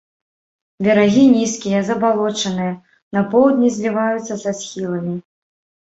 Берагі нізкія, забалочаныя, на поўдні зліваюцца са схіламі.